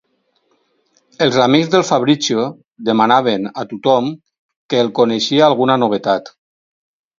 Els amics del Fabrizio demanaven a tothom que el coneixia alguna novetat.